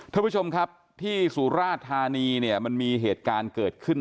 ท่านผู้ชมครับที่สุราธานีเนี่ยมันมีเหตุการณ์เกิดขึ้น